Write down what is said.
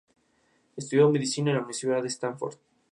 Estudió medicina en la Universidad Stanford.